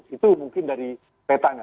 itu mungkin dari petanya